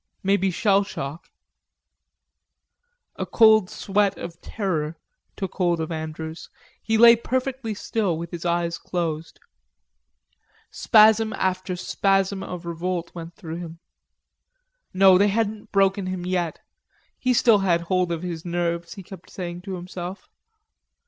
"Maybe shell shock...." A cold sweat of terror took hold of Andrews. He lay perfectly still with his eyes closed. Spasm after spasm of revolt went through him. No, they hadn't broken him yet; he still had hold of his nerves, he kept saying to himself.